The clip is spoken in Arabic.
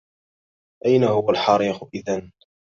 أين هو الحريق إذا؟